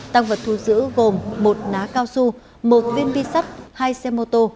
tăng vật thu giữ gồm một ná cao su một viên bi sắt hai xe mô tô